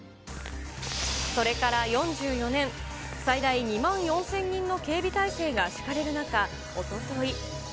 それから４４年、最大２万４０００人の警備態勢が敷かれる中、おととい。